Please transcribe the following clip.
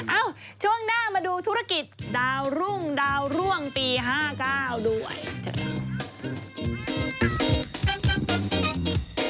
เอ้าช่วงหน้ามาดูธุรกิจดาวรุ่งดาวร่วงปี๕๙ด้วย